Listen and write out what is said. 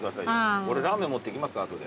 俺ラーメン持っていきますから後で。